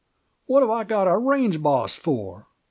What have I got a range boss for?